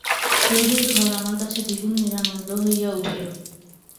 রোগীর ঘর আমার কাছে দ্বিগুণ নিরানন্দ হইয়া উঠিল।